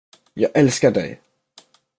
Jag älskar dig!